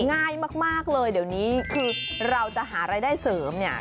ง่ายมากเลยเดี๋ยวนี้คือเราจะหารายได้เสริมเนี่ย